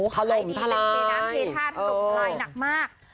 ทะลมทลายอ๋อทะลมทลายนักมาก